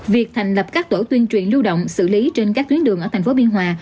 việc thành lập các tổ tuyên truyền lưu động xử lý trên các tuyến đường ở thành phố biên hòa